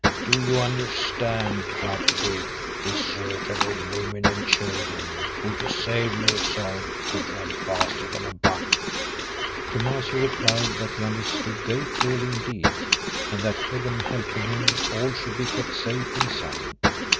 Do you understand, fat pig, deserter of women and children, who to save yourself could run faster than a buck?" Thomaso replied that he understood very clearly indeed, and that, Heaven helping him, all should be kept safe and sound.